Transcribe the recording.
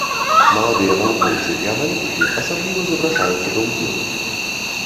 Маладыя навукоўцы і аналітыкі асабліва запрашаюцца да ўдзелу.